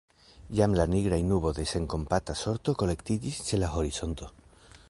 Jam la nigraj nuboj de senkompata sorto kolektiĝis ĉe la horizonto.